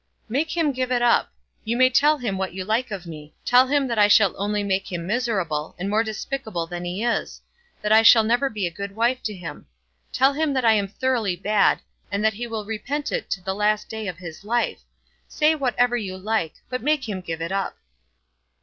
"Make him give it up. You may tell him what you like of me. Tell him that I shall only make him miserable, and more despicable than he is; that I shall never be a good wife to him. Tell him that I am thoroughly bad, and that he will repent it to the last day of his life. Say whatever you like, but make him give it up."